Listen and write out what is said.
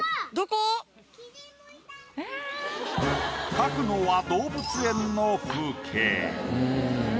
描くのは動物園の風景。